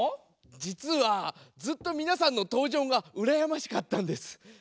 じつはずっとみなさんのとうじょうがうらやましかったんです。